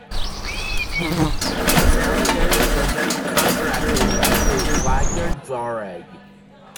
The family name was then contracted to "Wagner-Jauregg".